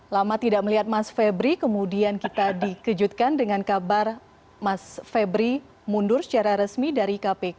lama tidak melihat mas febri kemudian kita dikejutkan dengan kabar mas febri mundur secara resmi dari kpk